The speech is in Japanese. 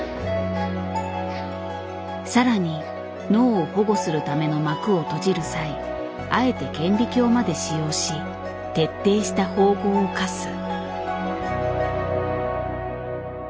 さらに脳を保護するための膜を閉じる際あえて顕微鏡まで使用し徹底した縫合を課す。